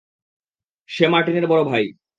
সে মার্টিনের বড় ভাই।